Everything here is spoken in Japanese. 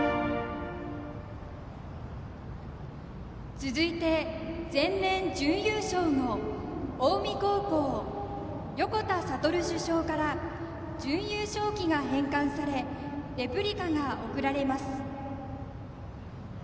続いて前年準優勝の近江高校、横田悟主将から準優勝旗が返還されレプリカが贈られます。